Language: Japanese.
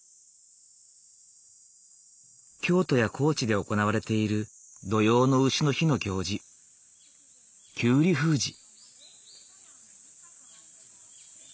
京都や高知で行われている土用の丑の日の行事きゅうり封じ。